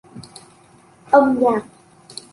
Âm nhạc